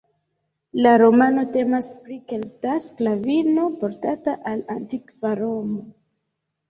La romano temas pri kelta sklavino, portata al antikva Romo.